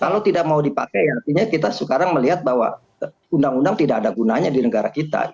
kalau tidak mau dipakai artinya kita sekarang melihat bahwa undang undang tidak ada gunanya di negara kita